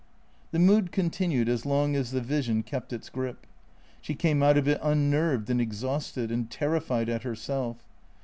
The mood continued as long as the vision kept its grip. She came out of it unnerved and exhausted, and terrified at herself.